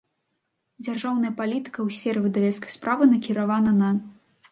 Дзяржаўная палiтыка ў сферы выдавецкай справы накiравана на.